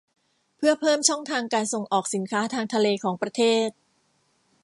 เพื่อเพิ่มช่องทางการส่งออกสินค้าทางทะเลของประเทศ